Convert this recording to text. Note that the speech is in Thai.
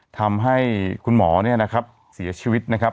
ทำให้คุณหมอเนี่ยนะครับเสียชีวิตนะครับ